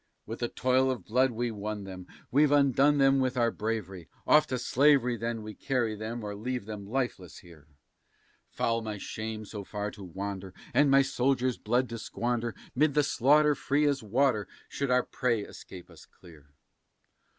"With the toil of blood we won them, we've undone them with our bravery; Off to slavery, then, we carry them or leave them lifeless here. Foul my shame so far to wander, and my soldiers' blood to squander 'Mid the slaughter free as water, should our prey escape us clear.